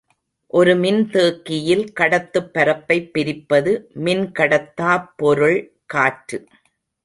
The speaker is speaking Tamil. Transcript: ஒரு மின்தேக்கியில் கடத்துப் பரப்பைப் பிரிப்பது மின்கடத்தாப் பொருள் காற்று.